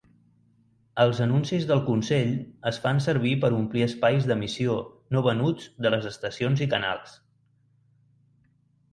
Els anuncis del consell es fan servir per omplir espais d'emissió no venuts de les estacions i canals.